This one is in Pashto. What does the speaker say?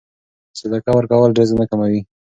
صدقه ورکول رزق نه کموي.